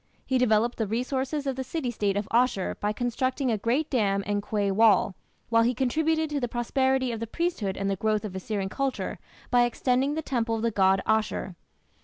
He developed the resources of the city state of Asshur by constructing a great dam and quay wall, while he contributed to the prosperity of the priesthood and the growth of Assyrian culture by extending the temple of the god Ashur.